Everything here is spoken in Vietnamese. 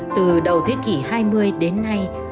từ đầu thế kỷ hai mươi đến ngay